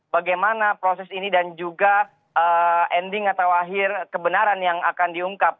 bagaimana proses ini dan juga ending atau akhir kebenaran yang akan diungkap